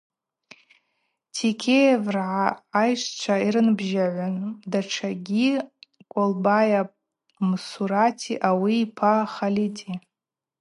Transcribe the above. Текеевргӏа айщчва йрынбжьагӏвын датшагьи Колбая Мсурати ауи йпа Халити.